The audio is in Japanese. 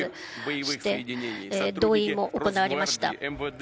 そして動員も行われました。